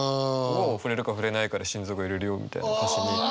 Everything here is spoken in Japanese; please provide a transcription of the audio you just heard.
「触れるか触れないかで心臓が揺れるよ」みたいな歌詞に。